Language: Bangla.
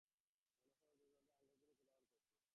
মনে হয় ওর দুরন্ত আঙুলগুলি কোলাহল করছে।